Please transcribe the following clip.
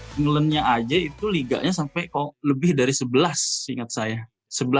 englandnya aja itu liganya sampai lebih dari sebelas seingat saya